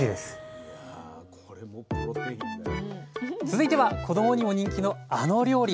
続いては子どもにも人気のあの料理。